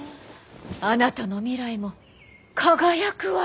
あなたの未来も輝くわよ。